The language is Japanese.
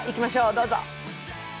どうぞ！